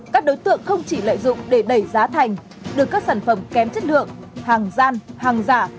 các đối tượng không chỉ lợi dụng để đẩy giá thành đưa các sản phẩm kém chất lượng hàng gian hàng giả